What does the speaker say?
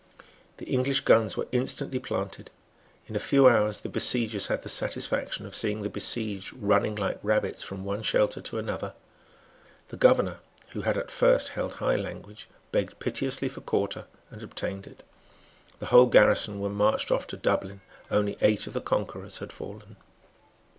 The English guns were instantly planted. In a few hours the besiegers had the satisfaction of seeing the besieged running like rabbits from one shelter to another. The governor, who had at first held high language, begged piteously for quarter, and obtained it. The whole garrison were marched off to Dublin. Only eight of the conquerors had fallen.